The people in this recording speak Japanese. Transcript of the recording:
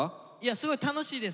すごい楽しいです。